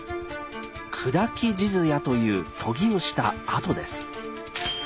「砕き地艶」という研ぎをしたあとです。